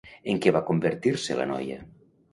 En què va convertir-se la noia?